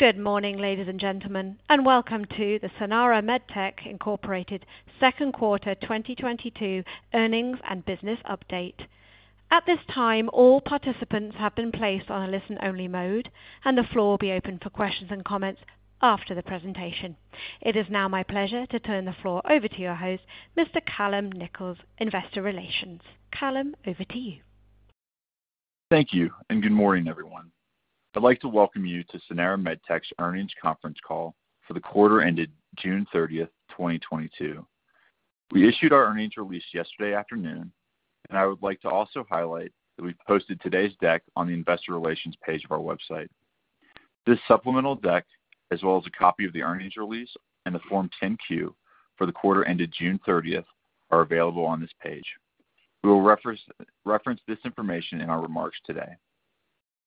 Good morning, ladies and gentlemen, and welcome to the Sanara MedTech Inc. second quarter 2022 earnings and business update. At this time, all participants have been placed on a listen-only mode, and the floor will be open for questions and comments after the presentation. It is now my pleasure to turn the floor over to your host, Mr. Callon Nichols, Investor Relations. Callon, over to you. Thank you, and good morning, everyone. I'd like to welcome you to Sanara MedTech's earnings conference call for the quarter ended June 30, 2022. We issued our earnings release yesterday afternoon, and I would like to also highlight that we've posted today's deck on the investor relations page of our website. This supplemental deck, as well as a copy of the earnings release and the Form 10-Q for the quarter ended June 30, are available on this page. We will reference this information in our remarks today.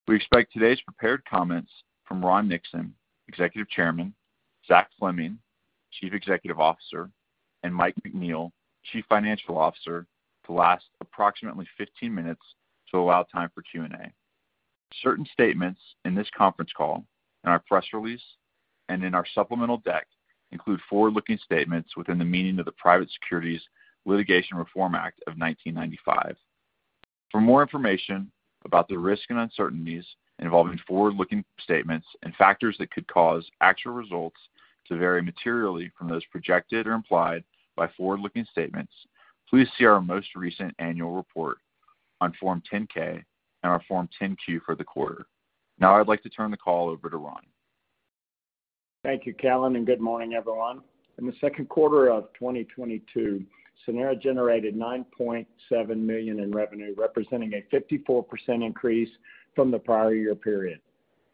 We expect today's prepared comments from Ron Nixon, Executive Chairman, Zachary Fleming, Chief Executive Officer, and Michael McNeil, Chief Financial Officer, to last approximately 15 minutes to allow time for Q&A. Certain statements in this conference call and our press release and in our supplemental deck include forward-looking statements within the meaning of the Private Securities Litigation Reform Act of 1995. For more information about the risk and uncertainties involving forward-looking statements and factors that could cause actual results to vary materially from those projected or implied by forward-looking statements, please see our most recent annual report on Form 10-K and our Form 10-Q for the quarter. Now I'd like to turn the call over to Ron. Thank you, Callon, and good morning, everyone. In the second quarter of 2022, Sanara generated $9.7 million in revenue, representing a 54% increase from the prior year period.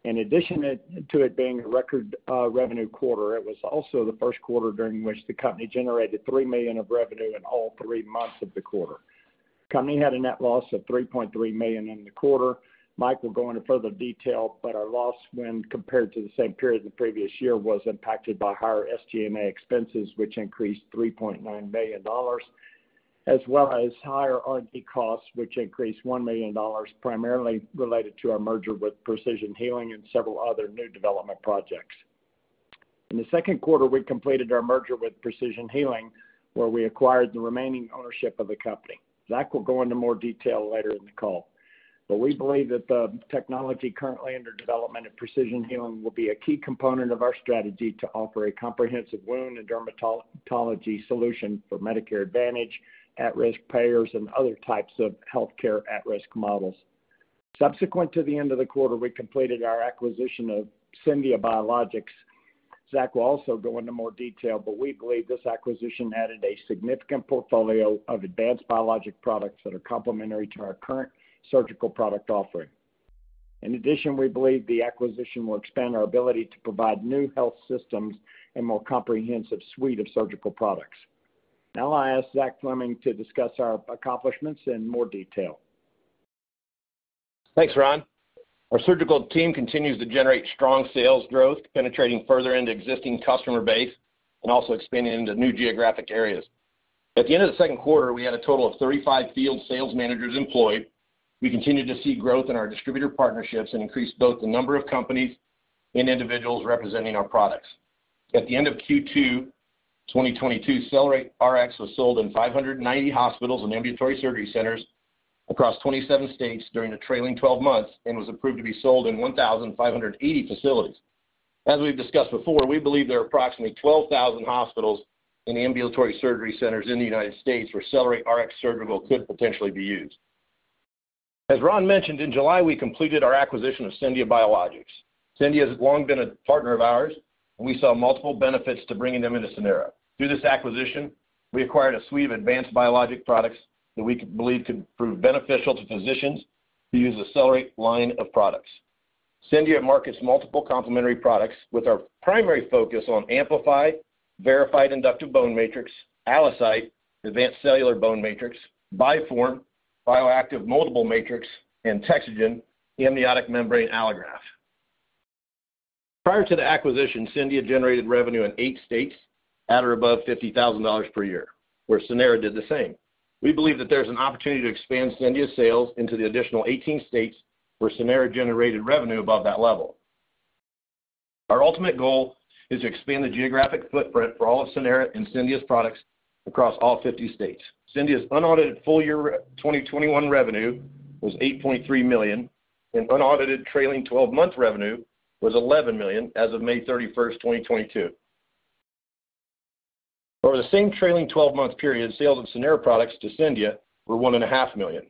In addition to it being a record revenue quarter, it was also the first quarter during which the company generated $3 million of revenue in all three months of the quarter. The company had a net loss of $3.3 million in the quarter. Mike will go into further detail, but our loss when compared to the same period the previous year was impacted by higher SG&A expenses, which increased $3.9 million, as well as higher R&D costs, which increased $1 million, primarily related to our merger with Precision Healing and several other new development projects. In the second quarter, we completed our merger with Precision Healing, where we acquired the remaining ownership of the company. Zach will go into more detail later in the call, but we believe that the technology currently under development at Precision Healing will be a key component of our strategy to offer a comprehensive wound and dermatology solution for Medicare Advantage, at-risk payers, and other types of healthcare at-risk models. Subsequent to the end of the quarter, we completed our acquisition of Scendia Biologics. Zach will also go into more detail, but we believe this acquisition added a significant portfolio of advanced biologic products that are complementary to our current surgical product offering. In addition, we believe the acquisition will expand our ability to provide new health systems and more comprehensive suite of surgical products. Now I ask Zach Fleming to discuss our accomplishments in more detail. Thanks, Ron. Our surgical team continues to generate strong sales growth, penetrating further into existing customer base and also expanding into new geographic areas. At the end of the second quarter, we had a total of 35 field sales managers employed. We continued to see growth in our distributor partnerships and increased both the number of companies and individuals representing our products. At the end of Q2 2022, CellerateRX was sold in 590 hospitals and ambulatory surgery centers across 27 states during the trailing twelve months and was approved to be sold in 1,580 facilities. As we've discussed before, we believe there are approximately 12,000 hospitals and ambulatory surgery centers in the United States where CellerateRX Surgical could potentially be used. As Ron mentioned, in July, we completed our acquisition of Scendia Biologics. Scendia has long been a partner of ours, and we saw multiple benefits to bringing them into Sanara. Through this acquisition, we acquired a suite of advanced biologic products that we believe could prove beneficial to physicians who use the CellerateRX line of products. Scendia markets multiple complementary products with our primary focus on AmpliFi, verified inductive bone matrix, ALLOCYTE, advanced cellular bone matrix, BiFORM, bioactive moldable matrix, and TEXAGEN, amniotic membrane allograft. Prior to the acquisition, Scendia generated revenue in 8 states at or above $50,000 per year, where Sanara did the same. We believe that there's an opportunity to expand Scendia's sales into the additional 18 states where Sanara generated revenue above that level. Our ultimate goal is to expand the geographic footprint for all of Sanara and Scendia's products across all 50 states. Scendia's unaudited full year 2021 revenue was $8.3 million, and unaudited trailing twelve-month revenue was $11 million as of May 31, 2022. Over the same trailing twelve-month period, sales of Sanara products to Scendia were $1.5 million.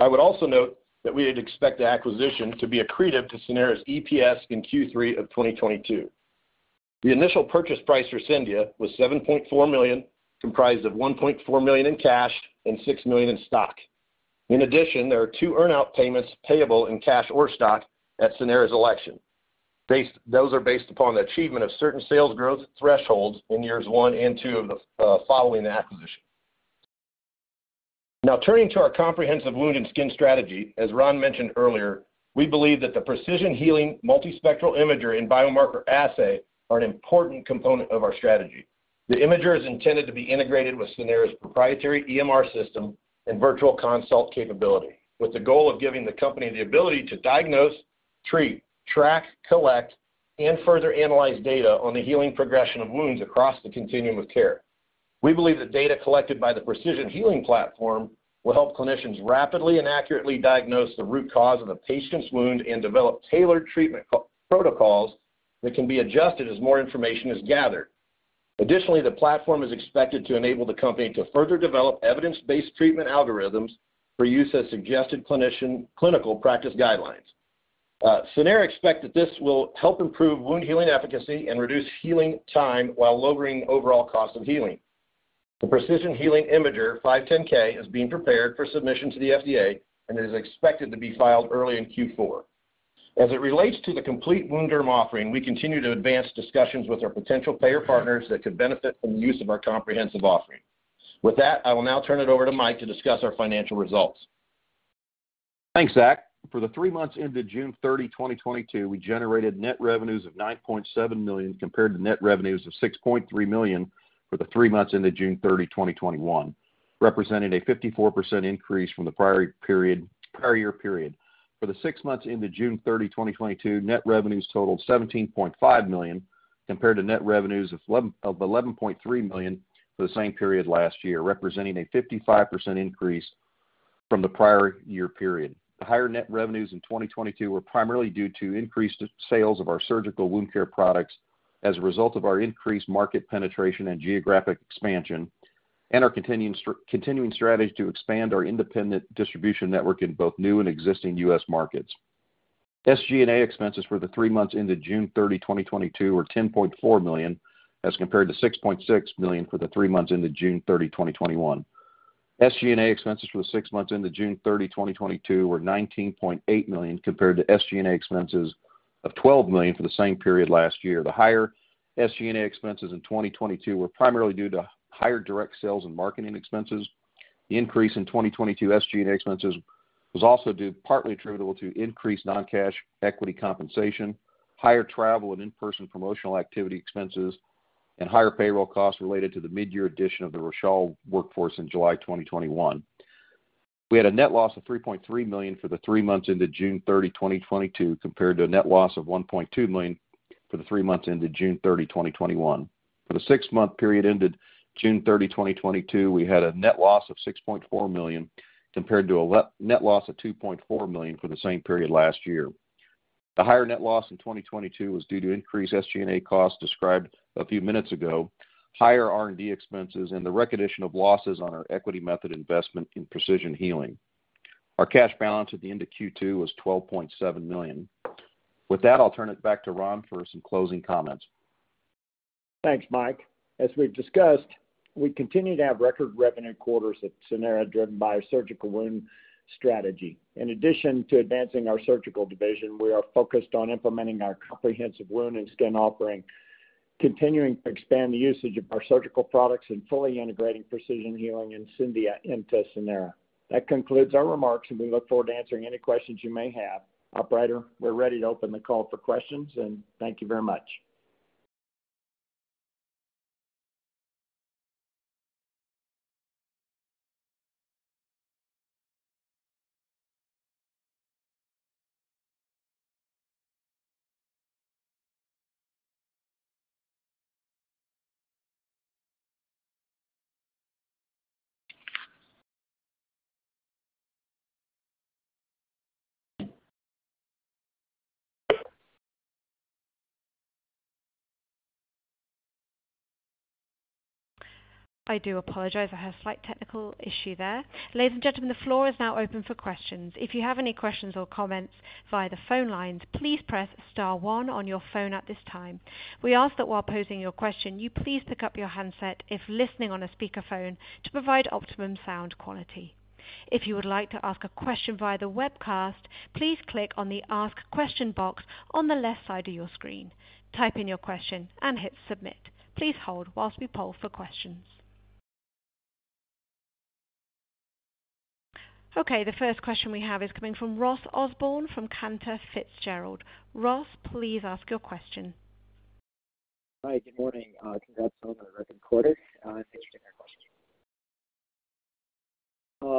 I would also note that we'd expect the acquisition to be accretive to Sanara's EPS in Q3 of 2022. The initial purchase price for Scendia was $7.4 million, comprised of $1.4 million in cash and $6 million in stock. In addition, there are two earn-out payments payable in cash or stock at Sanara's election. Those are based upon the achievement of certain sales growth thresholds in years one and two following the acquisition. Now turning to our comprehensive wound and skin strategy. As Ron mentioned earlier, we believe that the Precision Healing multispectral imaging and biomarker assay are an important component of our strategy. The imager is intended to be integrated with Sanara's proprietary EMR system and virtual consult capability, with the goal of giving the company the ability to diagnose, treat, track, collect, and further analyze data on the healing progression of wounds across the continuum of care. We believe the data collected by the Precision Healing platform will help clinicians rapidly and accurately diagnose the root cause of the patient's wound and develop tailored treatment protocols that can be adjusted as more information is gathered. Additionally, the platform is expected to enable the company to further develop evidence-based treatment algorithms for use as suggested clinical practice guidelines. Sanara expects that this will help improve wound healing efficacy and reduce healing time while lowering overall cost of healing. The Precision Healing Imager 510(k) is being prepared for submission to the FDA and is expected to be filed early in Q4. As it relates to the complete wound care offering, we continue to advance discussions with our potential payer partners that could benefit from the use of our comprehensive offering. With that, I will now turn it over to Mike to discuss our financial results. Thanks, Zach. For the three months ended June 30, 2022, we generated net revenues of $9.7 million compared to net revenues of $6.3 million for the three months ended June 30, 2021, representing a 54% increase from the prior period, prior year period. For the six months ended June 30, 2022, net revenues totaled $17.5 million compared to net revenues of eleven point three million for the same period last year, representing a 55% increase from the prior year period. The higher net revenues in 2022 were primarily due to increased sales of our surgical wound care products as a result of our increased market penetration and geographic expansion and our continuing strategy to expand our independent distribution network in both new and existing U.S. markets. SG&A expenses for the three months ended June 30, 2022 were $10.4 million as compared to $6.6 million for the three months ended June 30, 2021. SG&A expenses for the six months ended June 30, 2022 were $19.8 million compared to SG&A expenses of $12 million for the same period last year. The higher SG&A expenses in 2022 were primarily due to higher direct sales and marketing expenses. The increase in 2022 SG&A expenses was also due partly attributable to increased non-cash equity compensation, higher travel and in-person promotional activity expenses, and higher payroll costs related to the midyear addition of the Rochal workforce in July 2021. We had a net loss of $3.3 million for the three months ended June 30, 2022, compared to a net loss of $1.2 million for the three months ended June 30, 2021. For the six-month period ended June 30, 2022, we had a net loss of $6.4 million, compared to a net loss of $2.4 million for the same period last year. The higher net loss in 2022 was due to increased SG&A costs described a few minutes ago, higher R&D expenses, and the recognition of losses on our equity method investment in Precision Healing. Our cash balance at the end of Q2 was $12.7 million. With that, I'll turn it back to Ron for some closing comments. Thanks, Mike. As we've discussed, we continue to have record revenue quarters at Sanara driven by our surgical wound strategy. In addition to advancing our surgical division, we are focused on implementing our comprehensive wound and skin offering, continuing to expand the usage of our surgical products and fully integrating Precision Healing and Scendia into Sanara. That concludes our remarks, and we look forward to answering any questions you may have. Operator, we're ready to open the call for questions and thank you very much. I do apologize. I had a slight technical issue there. Ladies and gentlemen, the floor is now open for questions. If you have any questions or comments via the phone lines, please press star one on your phone at this time. We ask that while posing your question, you please pick up your handset if listening on a speakerphone to provide optimum sound quality. If you would like to ask a question via the webcast, please click on the Ask Question box on the left side of your screen, type in your question, and hit Submit. Please hold whilst we poll for questions. Okay. The first question we have is coming from Ross Osborn from Cantor Fitzgerald. Ross, please ask your question. Hi. Good morning. Congrats on the record quarter. Thanks for taking our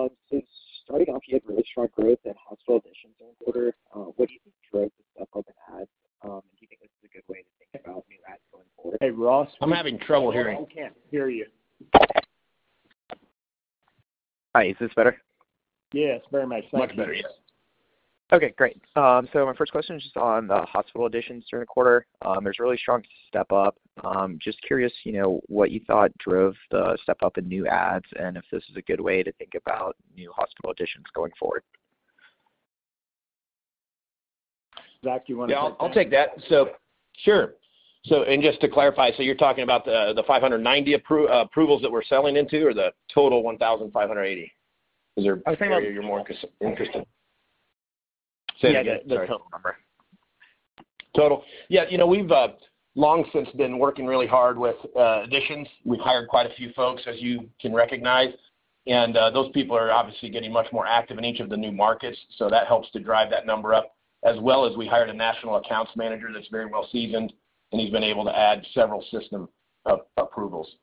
question. Starting off, you had really strong growth and hospital additions during the quarter. What do you think drove the step up in adds, and do you think this is a good way to think about new adds going forward? Hey, Ross. I'm having trouble hearing. We can't hear you. Hi, is this better? Yes, very much. Thank you. Much better, yes. Okay, great. My first question is just on the hospital additions during the quarter. There's a really strong step up. Just curious what you thought drove the step up in new adds and if this is a good way to think about new hospital additions going forward. Zach, do you wanna take that? Yeah, I'll take that. Sure. Just to clarify, so you're talking about the 590 approvals that we're selling into or the total 1,580? Is there- I think. area you're more interested in? Yeah, the total number. Total. Yeah. You know, we've long since been working really hard with additions. We've hired quite a few folks, as you can recognize. Those people are obviously getting much more active in each of the new markets, so that helps to drive that number up. We hired a national accounts manager that's very well seasoned, and he's been able to add several system approvals.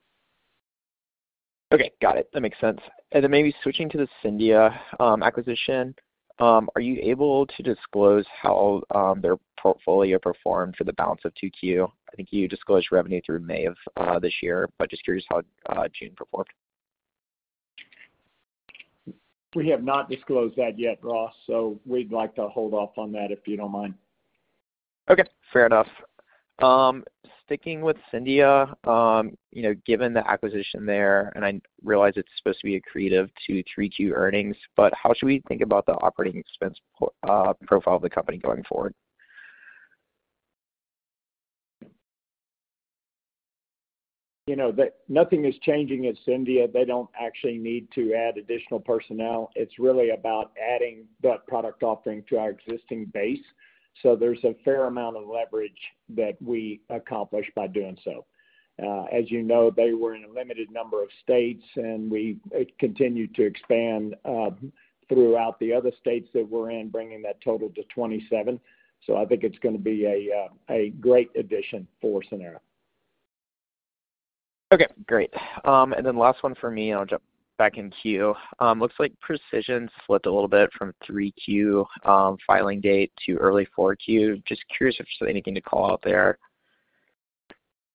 Okay, got it. That makes sense. Maybe switching to the Scendia acquisition, are you able to disclose how their portfolio performed for the balance of 2Q? I think you disclosed revenue through May of this year, but just curious how June performed. We have not disclosed that yet, Ross, so we'd like to hold off on that if you don't mind. Okay, fair enough. Sticking with Scendia given the acquisition there, and I realize it's supposed to be accretive to 3Q earnings, but how should we think about the operating expense profile of the company going forward? You know, nothing is changing at Scendia. They don't actually need to add additional personnel. It's really about adding that product offering to our existing base. There's a fair amount of leverage that we accomplish by doing so. As you know, they were in a limited number of states, and we continue to expand throughout the other states that we're in, bringing that total to 27. I think it's gonna be a great addition for Scendia. Okay, great. Last one for me, and I'll jump back in queue. Looks like Precision slipped a little bit from 3Q filing date to early 4Q. Just curious if there's anything to call out there.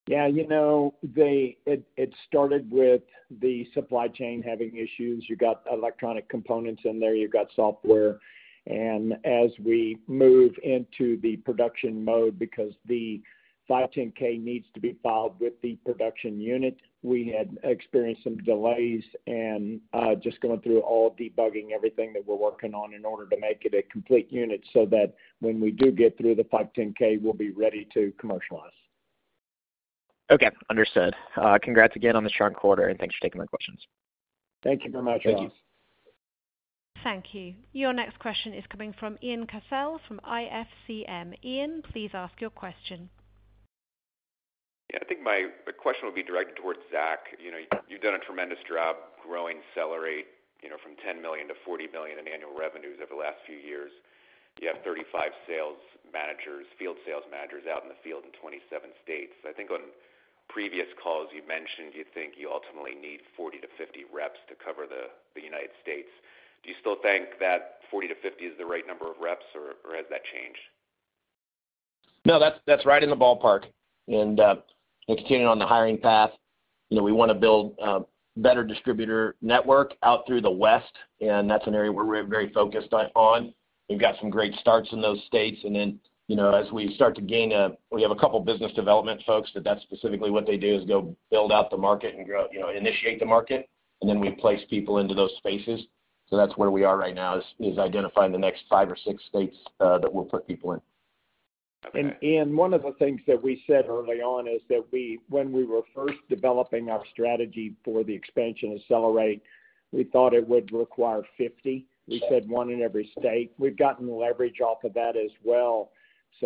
Yeah. You know, it started with the supply chain having issues. You got electronic components in there, you got software. As we move into the production mode because the 510(k) needs to be filed with the production unit, we had experienced some delays and just going through all debugging everything that we're working on in order to make it a complete unit, so that when we do get through the 510(k), we'll be ready to commercialize. Okay, understood. Congrats again on the strong quarter, and thanks for taking my questions. Thank you very much, Ross. Thank you. Thank you. Your next question is coming from Ian Cassel from IFCM. Ian, please ask your question. Yeah, I think my question would be directed towards Zach. You know, you've done a tremendous job growing CellerateRX from $10 million to $40 million in annual revenues over the last few years. You have 35 sales managers, field sales managers out in the field in 27 states. I think on previous calls you've mentioned you think you ultimately need 40-50 reps to cover the United States. Do you still think that 40-50 is the right number of reps or has that changed? No, that's right in the ballpark. We're continuing on the hiring path. You know, we wanna build better distributor network out through the West, and that's an area where we're very focused on. We've got some great starts in those states. You know, as we start to gain. We have a couple business development folks. That's specifically what they do is go build out the market and grow initiate the market, and then we place people into those spaces. That's where we are right now is identifying the next five or six states that we'll put people in. Okay. Ian, one of the things that we said early on is that when we were first developing our strategy for the expansion of CellerateRX, we thought it would require 50. Sure. We said one in every state. We've gotten leverage off of that as well.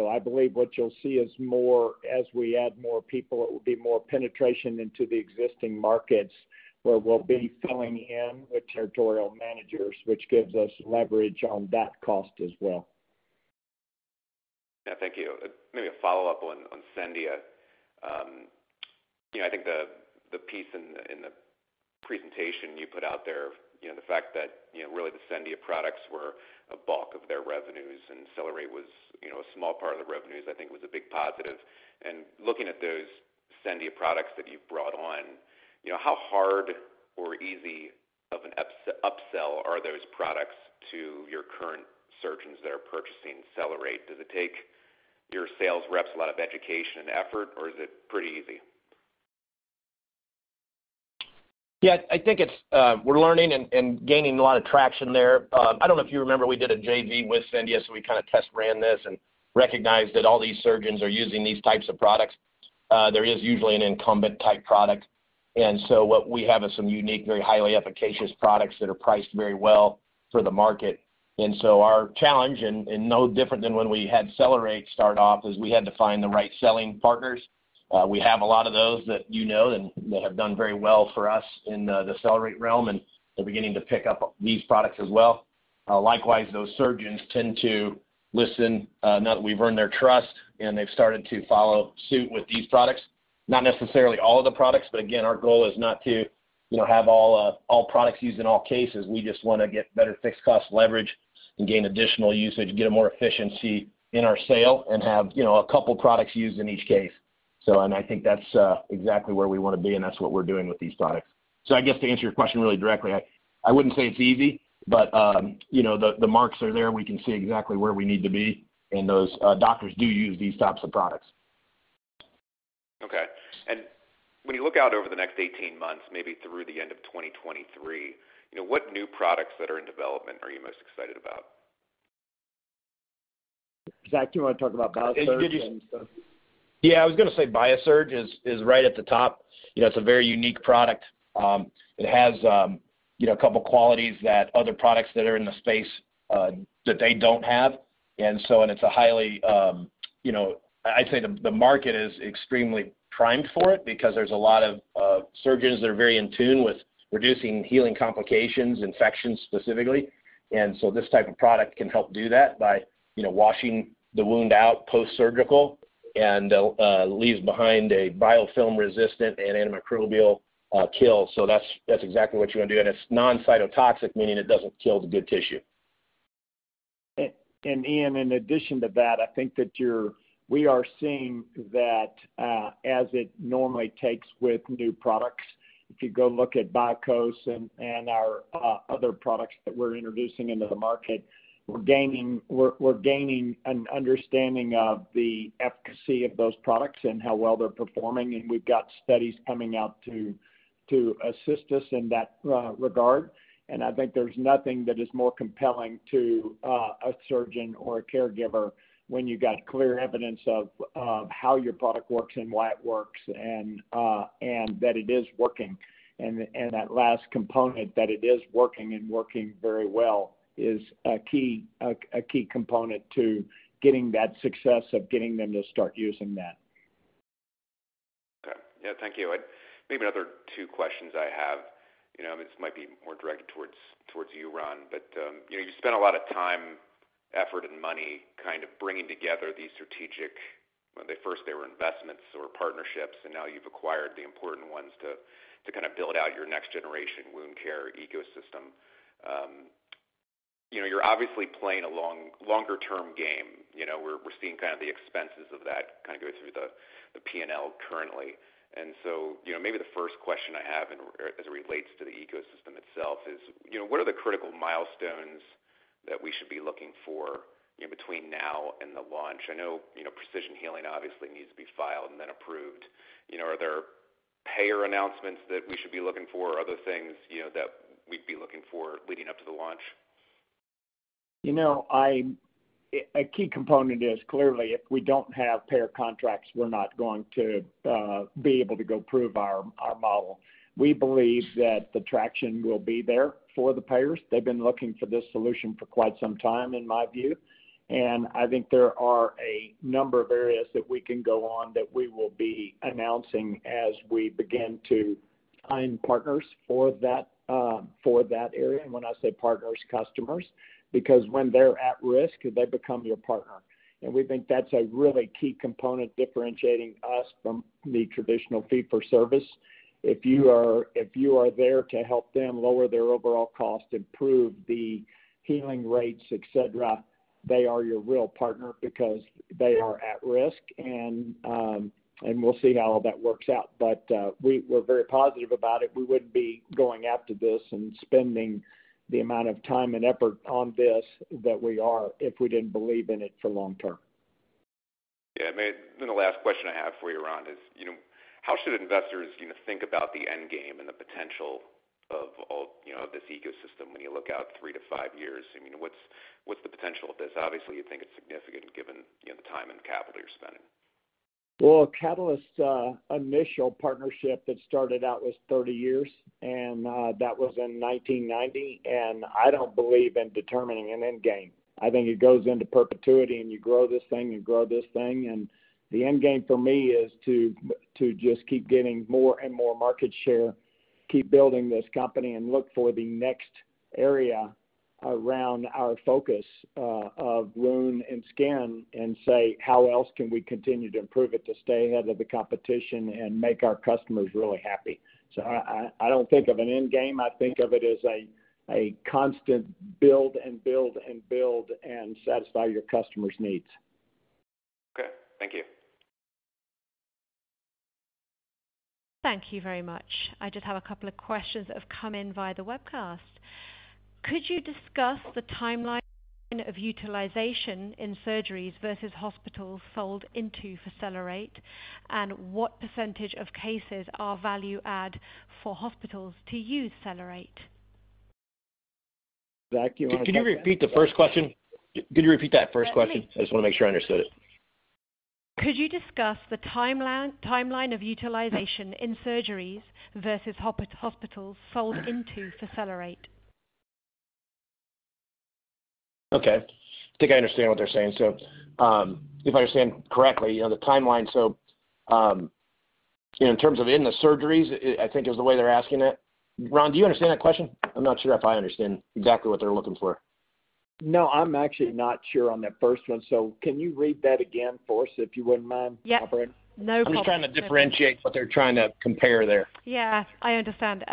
I believe what you'll see is more, as we add more people, it will be more penetration into the existing markets where we'll be filling in with territorial managers, which gives us leverage on that cost as well. Yeah. Thank you. Maybe a follow-up on Scendia. I think the piece in the presentation you put out there, the fact that really the Scendia products were a bulk of their revenues and CellerateRX was a small part of the revenues, I think was a big positive. Looking at those Scendia products that you've brought on, how hard or easy of an upsell are those products to your current surgeons that are purchasing CellerateRX? Does it take your sales reps a lot of education and effort, or is it pretty easy? Yeah, I think it's. We're learning and gaining a lot of traction there. I don't know if you remember, we did a JV with Scendia, so we kinda test ran this and recognized that all these surgeons are using these types of products. There is usually an incumbent type product. What we have is some unique, very highly efficacious products that are priced very well for the market. Our challenge, and no different than when we had CellerateRX start off, is we had to find the right selling partners. We have a lot of those that you know, and they have done very well for us in the CellerateRX realm, and they're beginning to pick up these products as well. Likewise, those surgeons tend to listen now that we've earned their trust, and they've started to follow suit with these products. Not necessarily all of the products, but again, our goal is not to have all products used in all cases. We just wanna get better fixed cost leverage and gain additional usage, get more efficiency in our sales, and have a couple products used in each case. I think that's exactly where we wanna be, and that's what we're doing with these products. I guess to answer your question really directly, I wouldn't say it's easy, but the marks are there. We can see exactly where we need to be, and those doctors do use these types of products. Okay. When you look out over the next 18 months, maybe through the end of 2023 what new products that are in development are you most excited about? Zach, do you wanna talk about BIASURGE and stuff? Yeah, I was gonna say BIASURGE is right at the top. You know, it's a very unique product. It has a couple qualities that other products that are in the space, that they don't have. You know, I'd say the market is extremely primed for it because there's a lot of surgeons that are very in tune with reducing healing complications, infections, specifically. This type of product can help do that by washing the wound out post-surgical and leaves behind a biofilm-resistant and antimicrobial kill. That's exactly what you wanna do. It's non-cytotoxic, meaning it doesn't kill the good tissue. Ian, in addition to that, I think that we are seeing that, as it normally takes with new products, if you go look at BIAKŌS and our other products that we're introducing into the market, we're gaining an understanding of the efficacy of those products and how well they're performing. We've got studies coming out to assist us in that regard. I think there's nothing that is more compelling to a surgeon or a caregiver when you got clear evidence of how your product works and why it works, and that it is working. That last component that it is working and working very well is a key component to getting that success of getting them to start using that. Okay. Yeah, thank you. Maybe another two questions I have. You know, this might be more directed towards you, Ron, but you know, you spend a lot of time, effort, and money kind of bringing together these strategic, when they first were investments or partnerships, and now you've acquired the important ones to kind of build out your next generation wound care ecosystem. You know, you're obviously playing a longer-term game. You know, we're seeing kind of the expenses of that kinda go through the P&L currently. You know, maybe the first question I have as it relates to the ecosystem itself is what are the critical milestones that we should be looking for in between now and the launch? I know Precision Healing obviously needs to be filed and then approved. You know, are there payer announcements that we should be looking for? Other things that we'd be looking for leading up to the launch? You know, a key component is clearly if we don't have payer contracts, we're not going to be able to go prove our model. We believe that the traction will be there for the payers. They've been looking for this solution for quite some time, in my view, and I think there are a number of areas that we can go on that we will be announcing as we begin to find partners for that, for that area. When I say partners, customers, because when they're at risk, they become your partner. We think that's a really key component differentiating us from the traditional fee for service. If you are there to help them lower their overall cost, improve the healing rates, et cetera, they are your real partner because they are at risk, and we'll see how all that works out. We're very positive about it. We wouldn't be going after this and spending the amount of time and effort on this that we are if we didn't believe in it for long term. Yeah, I mean, the last question I have for you, Ron, is how should investors think about the end game and the potential of all this ecosystem when you look out three to five years? I mean, what's the potential of this? Obviously, you think it's significant given the time and capital you're spending. Well, Catalyst's initial partnership that started out was 30 years, and that was in 1990. I don't believe in determining an end game. I think it goes into perpetuity, and you grow this thing and grow this thing. The end game for me is to just keep getting more and more market share, keep building this company, and look for the next area around our focus of wound and skin, and say, "How else can we continue to improve it to stay ahead of the competition and make our customers really happy?" I don't think of an end game. I think of it as a constant build and build and build and satisfy your customers' needs. Okay. Thank you. Thank you very much. I just have a couple of questions that have come in via the webcast. Could you discuss the timeline of utilization in surgeries versus hospitals sold into for CellerateRX? What percentage of cases are value add for hospitals to use CellerateRX? Exactly what- Could you repeat the first question? Could you repeat that first question? Yeah, please. I just wanna make sure I understood it. Could you discuss the timeline of utilization in surgeries versus hospitals sold into for CellerateRX? Okay. I think I understand what they're saying. If I understand correctly the timeline, in terms of in the surgeries, I think is the way they're asking it. Ron, do you understand that question? I'm not sure if I understand exactly what they're looking for. No, I'm actually not sure on that first one, so can you read that again for us, if you wouldn't mind, operator? Yep. No problem. I'm just trying to differentiate what they're trying to compare there. Yeah, I understand.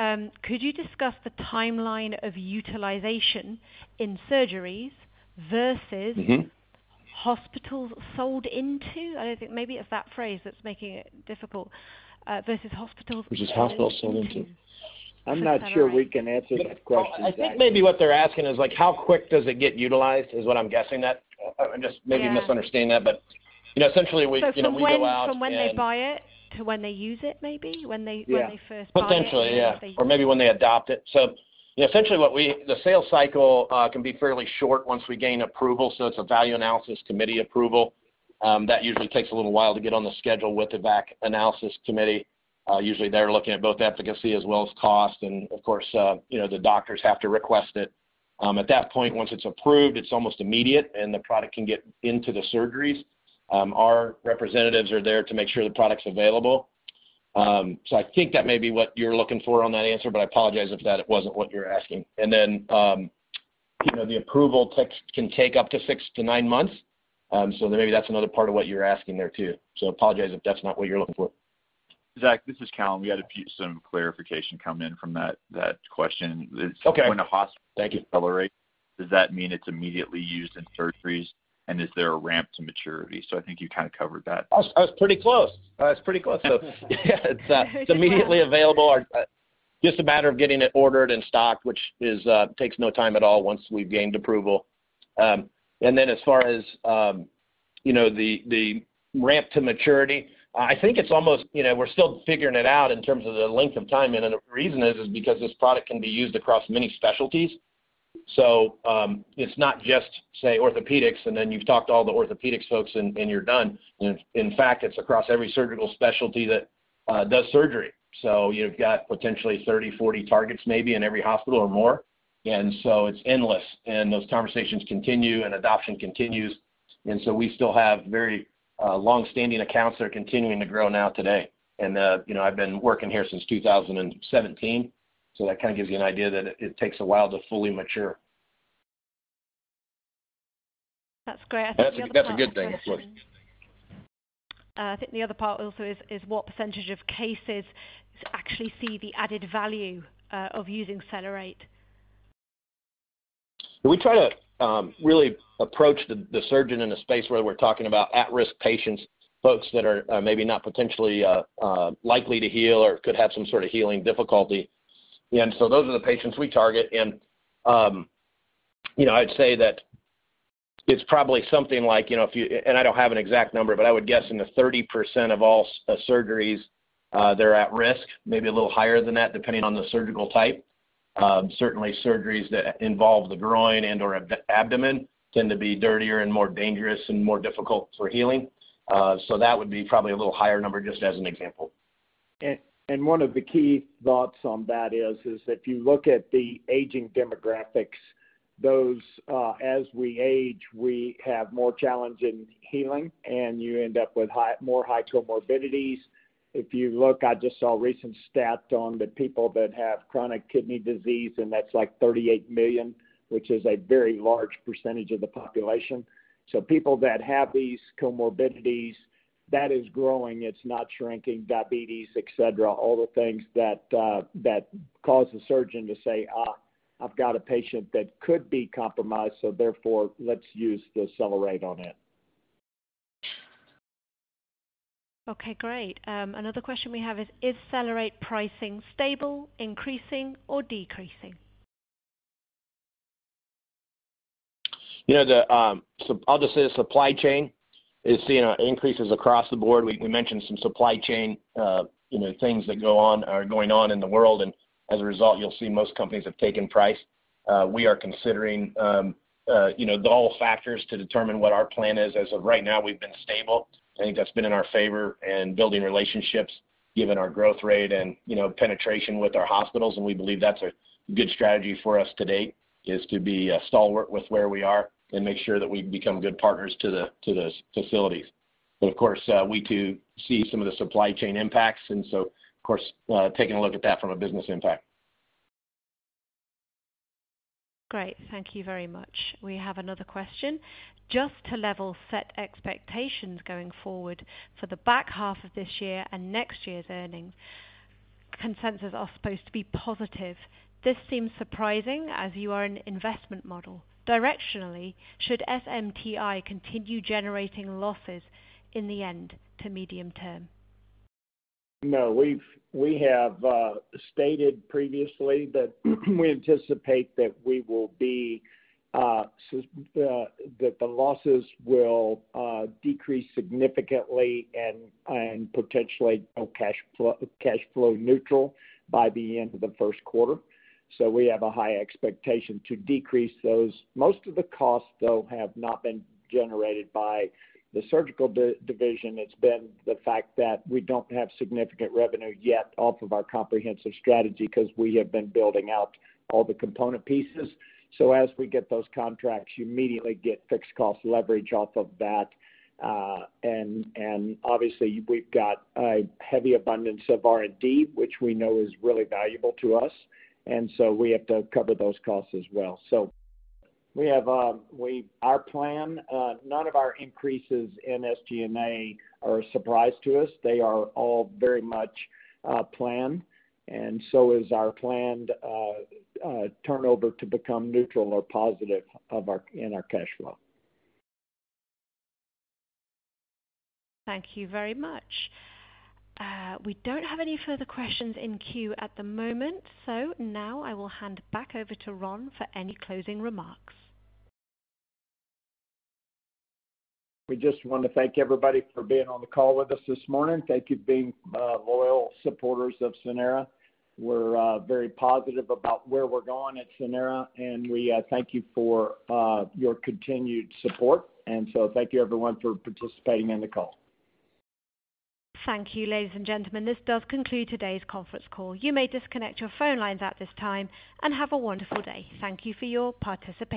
Could you discuss the timeline of utilization in surgeries versusospitals sold into? I don't think, maybe it's that phrase that's making it difficult. Versus hospitals sold into. Versus hospitals sold into. For CellerateRX. I'm not sure we can answer that question. I think maybe what they're asking is like how quick does it get utilized, is what I'm guessing that. I'm just maybe misunderstanding that. You know, we we go out and From when they buy it to when they use it maybe? Yeah. When they first buy it. Potentially, yeah. Maybe when they adopt it. Essentially the sales cycle can be fairly short once we gain approval, so it's a Value Analysis Committee approval. That usually takes a little while to get on the schedule with the VAC. Usually they're looking at both efficacy as well as cost and of course the doctors have to request it. At that point, once it's approved, it's almost immediate and the product can get into the surgeries. Our representatives are there to make sure the product's available. I think that may be what you're looking for on that answer, but I apologize if that wasn't what you're asking. then the approval takes, can take up to 6-9 months. Maybe that's another part of what you're asking there too. I apologize if that's not what you're looking for. Zach, this is Callon. We had some clarification come in from that question. Okay. When a hospital- Thank you. Accelerate, does that mean it's immediately used in surgeries? Is there a ramp to maturity? I think you kinda covered that. I was pretty close. It's immediately available. Just a matter of getting it ordered and stocked, which takes no time at all once we've gained approval. Then as far as you know, the ramp to maturity, I think it's almost we're still figuring it out in terms of the length of time. The reason is because this product can be used across many specialties. It's not just, say, orthopedics and then you've talked to all the orthopedics folks and you're done. In fact, it's across every surgical specialty that does surgery. You've got potentially 30, 40 targets maybe in every hospital or more. It's endless. Those conversations continue and adoption continues. We still have very long-standing accounts that are continuing to grow now today. You know, I've been working here since 2017, so that kinda gives you an idea that it takes a while to fully mature. That's great. I think the other part of the question. That's a good thing. I think the other part also is what percentage of cases actually see the added value of using CellerateRX? We try to really approach the surgeon in a space where we're talking about at-risk patients, folks that are maybe not potentially likely to heal or could have some sort of healing difficulty. You know, I'd say that it's probably something like I don't have an exact number, but I would guess in the 30% of all surgeries they're at risk, maybe a little higher than that, depending on the surgical type. Certainly surgeries that involve the groin and/or abdomen tend to be dirtier and more dangerous and more difficult for healing. That would be probably a little higher number, just as an example. One of the key thoughts on that is if you look at the aging demographics, those, as we age, we have more challenge in healing, and you end up with higher comorbidities. If you look, I just saw recent stats on the people that have chronic kidney disease, and that's like 38 million, which is a very large percentage of the population. So people that have these comorbidities, that is growing, it's not shrinking, diabetes, et cetera, all the things that cause a surgeon to say, "I've got a patient that could be compromised, so therefore, let's use the CellerateRX on it. Okay, great. Another question we have is CellerateRX pricing stable, increasing or decreasing? You know, I'll just say the supply chain is seeing increases across the board. We mentioned some supply chain things that go on are going on in the world. As a result, you'll see most companies have taken price. We are considering all factors to determine what our plan is. As of right now, we've been stable. I think that's been in our favor in building relationships, given our growth rate and penetration with our hospitals. We believe that's a good strategy for us to date, is to be stalwart with where we are and make sure that we become good partners to the facilities. Of course, we too see some of the supply chain impacts. Of course, taking a look at that from a business impact. Great. Thank you very much. We have another question. Just to level set expectations going forward for the back half of this year and next year's earnings, consensus are supposed to be positive. This seems surprising as you are an investment model. Directionally, should SMTI continue generating losses in the short to medium term? No. We have stated previously that we anticipate that we will be that the losses will decrease significantly and potentially are cash flow neutral by the end of the first quarter. We have a high expectation to decrease those. Most of the costs, though, have not been generated by the surgical division. It's been the fact that we don't have significant revenue yet off of our comprehensive strategy 'cause we have been building out all the component pieces. As we get those contracts, you immediately get fixed cost leverage off of that. Obviously we've got a heavy abundance of R&D, which we know is really valuable to us. We have to cover those costs as well. We have our plan, none of our increases in SG&A are a surprise to us. They are all very much planned, and so is our planned turnover to become neutral or positive in our cash flow. Thank you very much. We don't have any further questions in queue at the moment. Now I will hand back over to Ron for any closing remarks. We just wanna thank everybody for being on the call with us this morning. Thank you for being loyal supporters of Sanara. We're very positive about where we're going at Sanara, and we thank you for your continued support. Thank you everyone for participating in the call. Thank you, ladies and gentlemen. This does conclude today's conference call. You may disconnect your phone lines at this time, and have a wonderful day. Thank you for your participation.